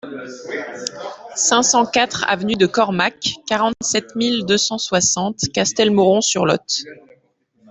cinq cent quatre avenue de Comarque, quarante-sept mille deux cent soixante Castelmoron-sur-Lot